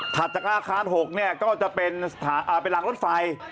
จากอาคาร๖ก็จะเป็นรางรถไฟ